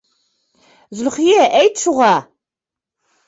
Зөлхиә, әйт шуға!